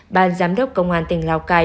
ban giám đốc công an tỉnh lào cai